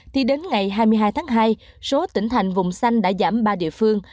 thì đến ngày hai mươi hai tháng hai số tỉnh thành vùng xanh đã giảm ba địa phương